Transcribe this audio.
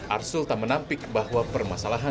arsul tak menampik bahwa permasalahan